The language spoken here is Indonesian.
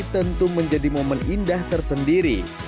tentu menjadi momen indah tersendiri